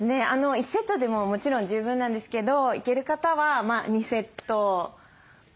１セットでももちろん十分なんですけどいける方は２セットぐらいかな。